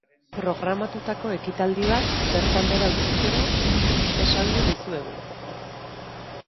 Programatutako ekitaldi bat bertan behera utziz gero, esango dizuegu.